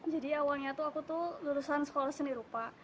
jadi awalnya aku tuh lulusan sekolah seni rupa